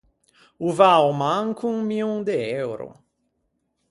O vâ a-o manco un mion de euro.